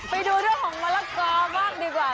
ไปดูด้วยของมะละกอมากดีกว่า